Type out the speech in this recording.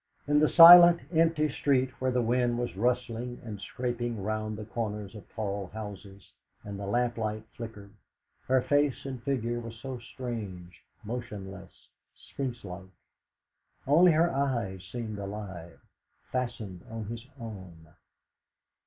In the silent, empty street, where the wind was rustling and scraping round the corners of tall houses, and the lamplight flickered, her face and figure were so strange, motionless, Sphinx like. Only her eyes seemed alive, fastened on his own.